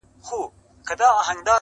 • چي ظالم ته مخامخ وي درېدلي -